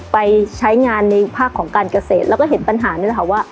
ไปใช้งานในภาคของการเกษตรแล้วก็เห็นปัญหานี่แหละค่ะว่า